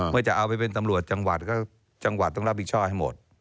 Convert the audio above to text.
ว่าจะเอาไปเป็นตำรวจจังหวัดก็จังหวัดต้องรับผิดชอบให้หมด